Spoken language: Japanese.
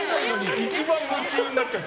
一番夢中になっちゃって。